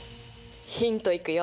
ヒントいくよ！